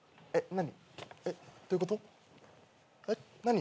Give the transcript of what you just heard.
何？